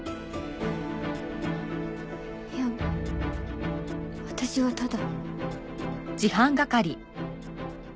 いや私はただ。